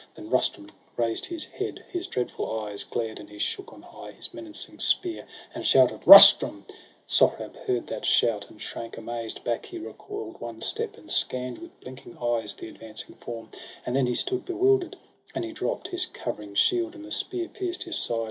Then Rustum raised his head; his dreadful eyes Glared, and he shook on high his menacing spear, And shouted : Rustum !— Sohrab heard that shout, io6 SOHRAB AND RUSTUM. And shrank amazed; back he recoil'd one step, And scann'd with blinking eyes the advancing form; And then he stood bewilder'd, and he dropp'd His covering shield, and the spear pierced his side.